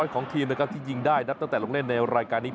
ของทีมนะครับที่ยิงได้ตั้งแต่ลงเล่น